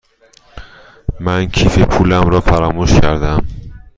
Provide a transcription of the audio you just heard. من کیف پولم را فراموش کرده ام.